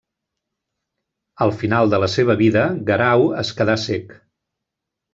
Al final de la seva vida, Guerau es quedà cec.